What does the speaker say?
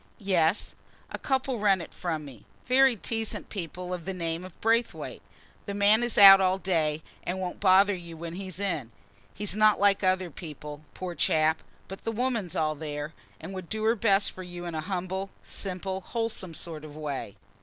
"Yes; a couple rent it from me, very decent people of the name of Braithwaite. The man is out all day, and won't bother you when he's in; he's not like other people, poor chap. But the woman 's all there, and would do her best for you in a humble, simple, wholesome sort of way."